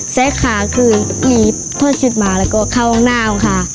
แซกขาคือหลีบทอดชุดหมาแล้วก็เข้าห้องนาวค่ะ